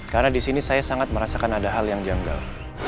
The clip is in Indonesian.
karena di sini saya sangat merasakan ada hal yang janggal